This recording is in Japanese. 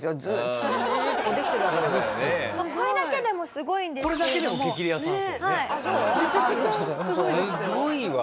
すごいわ。